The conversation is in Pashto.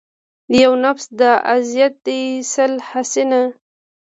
يو نٙفٙس د اذيت دې سل حسينه